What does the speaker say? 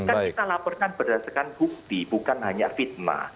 kan kita laporkan berdasarkan bukti bukan hanya fitnah